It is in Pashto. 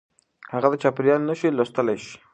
هغه د چاپېريال نښې لوستلای شوې.